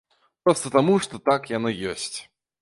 Проста таму, што так яно ёсць.